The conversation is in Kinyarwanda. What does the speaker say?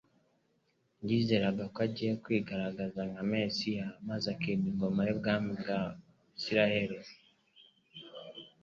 Yizeraga ko agiye kwigaragaza nka Mesiya; maze akima ingoma y'ubwami mu Isiraeli.